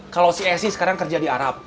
kalau si asi sekarang kerja di arab